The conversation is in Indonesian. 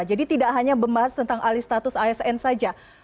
jadi tidak hanya membahas tentang alih status asn saja